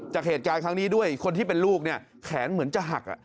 จากเหตุการณ์ครั้งนี้ด้วยคนที่เป็นลูกเนี่ยแขนเหมือนจะหัก